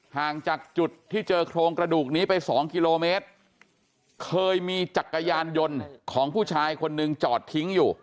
ห่างจากจุดที่เจอโครงกระดูกนี้ไปสองกิโลเมตรเคยมีจักรยานยนต์ของผู้ชายคนหนึ่งจอดทิ้งอยู่